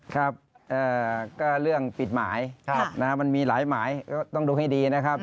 ครับก็เรื่องปิดหมายมันมีหลายหมายก็ต้องดูให้ดีนะครับ